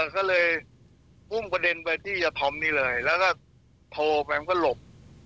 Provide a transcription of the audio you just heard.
ก็เลยอุ้มประเด็นไปที่ยธอมนี่เลยแล้วก็โทรไปก็หลบ